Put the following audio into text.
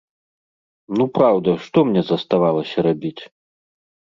Ну праўда, што мне заставалася рабіць?